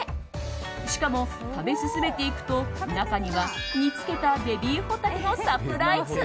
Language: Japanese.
しかも、食べ進めていくと中には煮付けたベビーホタテのサプライズ。